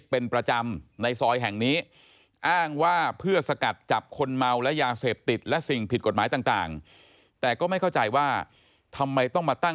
เป็นประจำในซอยแห่งนี้